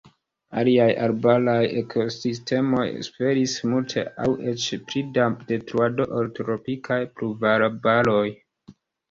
Aliaj arbaraj ekosistemoj suferis multe aŭ eĉ pli da detruado ol tropikaj pluvarbaroj.